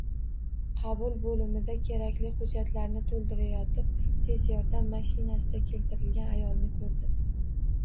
Qabul bo`limida kerakli hujjatlarni to`ldirayotib, tez yordam mashinasida keltirilgan ayolni ko`rdim